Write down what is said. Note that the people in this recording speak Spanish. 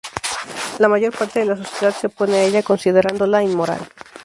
La mayor parte de la sociedad se opone a ella, considerándola "inmoral".